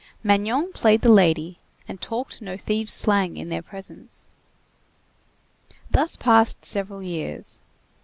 Magnon played the lady, and talked no thieves' slang in their presence. Thus passed several years.